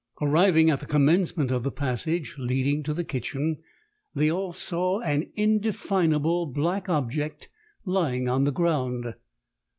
"Arriving at the commencement of the passage leading to the kitchen, they all saw an indefinable black object lying on the ground.